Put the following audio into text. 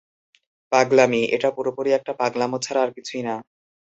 পাগলামি, এটা পুরোপুরি একটা পাগলামো ছাড়া আর কিছুই না!